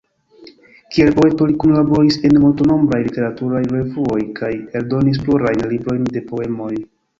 Kiel poeto li kunlaboris en multnombraj literaturaj revuoj kaj eldonis plurajn librojn de poemoj.